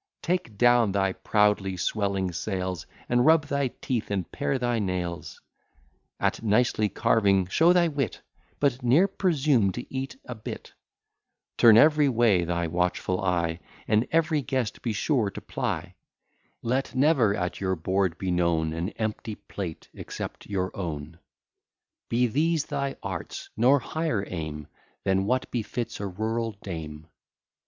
Take down thy proudly swelling sails, And rub thy teeth and pare thy nails; At nicely carving show thy wit; But ne'er presume to eat a bit: Turn every way thy watchful eye, And every guest be sure to ply: Let never at your board be known An empty plate, except your own. Be these thy arts; nor higher aim Than what befits a rural dame.